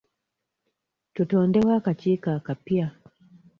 Tutondewo akakiiko akapya.